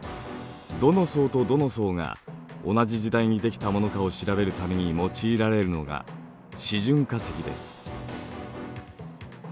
どの層とどの層が同じ時代にできたものかを調べるために用いられるのが示準化石です。